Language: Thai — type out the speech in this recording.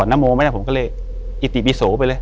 อยู่ที่แม่ศรีวิรัยิลครับ